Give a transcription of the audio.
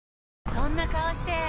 そんな顔して！